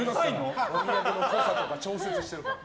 もみあげの濃さとか調節してるから。